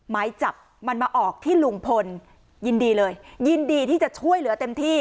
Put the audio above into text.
หมายจับมันมาออกที่ลุงพลยินดีเลยยินดีที่จะช่วยเหลือเต็มที่